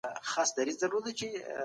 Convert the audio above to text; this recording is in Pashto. دین هم د ټولنیزو څېړنو یوه برخه ده.